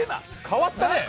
変わったね。